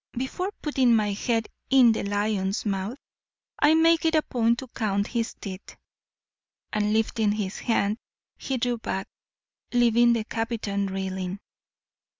Before putting my head in the lion's mouth, I make it a point to count his teeth," and lifting his hand, he drew back, leaving the captain reeling.